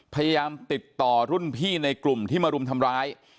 พยายามติดต่อรุ่นพี่ในกลุ่มที่มารุมทำร้าย